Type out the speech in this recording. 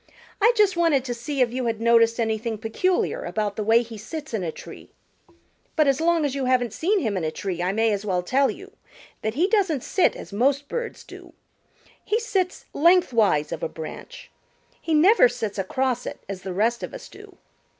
"I just wanted to see if you had noticed anything peculiar about the way he sits in a tree. But as long as you haven't seen him in a tree I may as well tell you that he doesn't sit as most birds do. He sits lengthwise of a branch. He never sits across it as the rest of us do."